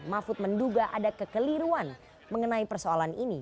mahfud menduga ada kekeliruan mengenai persoalan ini